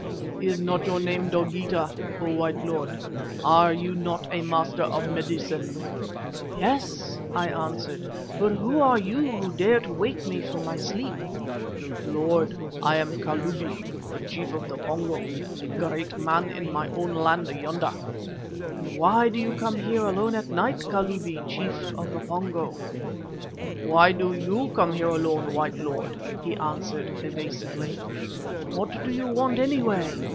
"'Is not your name Dogeetah, O White Lord, and are you not a master of medicine?' "'Yes,' I answered, 'but who are you who dare to wake me from my sleep?' "'Lord, I am the Kalubi, the Chief of the Pongo, a great man in my own land yonder.' "'Then why do you come here alone at night, Kalubi, Chief of the Pongo?' "'Why do you come here alone, White Lord?' he answered evasively. "'What do you want, anyway?